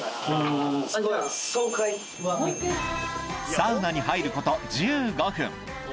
サウナに入ること１５分